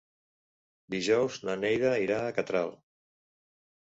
Dijous na Neida irà a Catral.